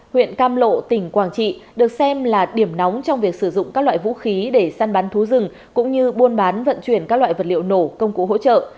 huyện cam lộ tỉnh quảng trị được xem là điểm nóng trong việc sử dụng các loại vũ khí để săn bắn thú rừng cũng như buôn bán vận chuyển các loại vật liệu nổ công cụ hỗ trợ